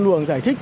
đường giải thích